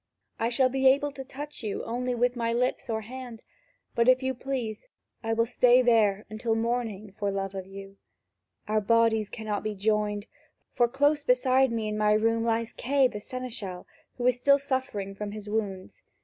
I shall be able to touch you only with my lips or hand, but, if you please, I will stay there until morning for love of you. Our bodies cannot be joined, for close beside me in my room lies Kay the seneschal, who is still suffering from his wounds.